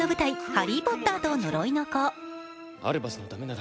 「ハリー・ポッターと呪いの子」。